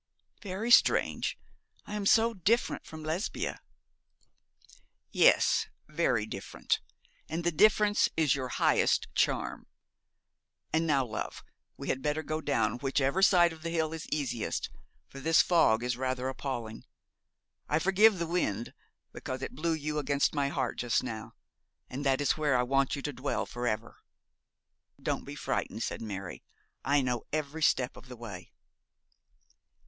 'Very strange. I am so different from Lesbia.' 'Yes, very different, and the difference is your highest charm. And now, love, we had better go down whichever side of the hill is easiest, for this fog is rather appalling. I forgive the wind, because it blew you against my heart just now, and that is where I want you to dwell for ever!' 'Don't be frightened,' said Mary. 'I know every step of the way.'